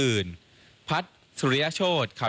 มันก็จะมีข้าวโหม๒ถูกนะคะ